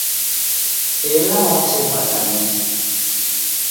Ela wachepata ndighi.